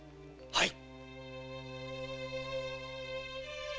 はい！